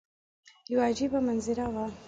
یوه عجیبه منظره وه.